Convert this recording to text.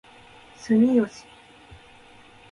住吉